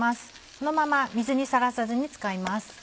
このまま水にさらさずに使います。